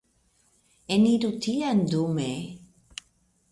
Eniru tien dume.